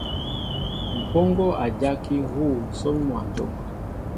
Mpoŋo a jaki a huu nsón mwănjóm.